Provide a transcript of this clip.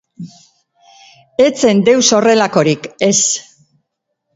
Ez zen deus horrelakorik, ez!